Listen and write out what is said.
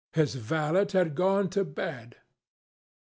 His valet had gone to bed....